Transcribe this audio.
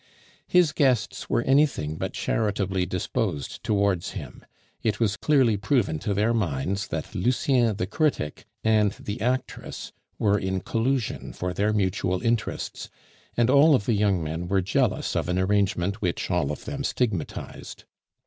His guests were anything but charitably disposed towards him; it was clearly proven to their minds that Lucien the critic and the actress were in collusion for their mutual interests, and all of the young men were jealous of an arrangement which all of them stigmatized.